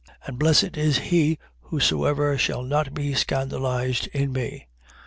And blessed is he whosoever shall not be scandalized in me. 7:24.